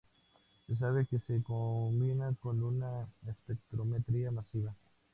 Se sabe que se combina con una espectrometría masiva.